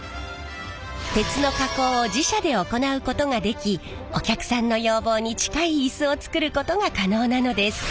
鉄の加工を自社で行うことができお客さんの要望に近いイスを作ることが可能なのです。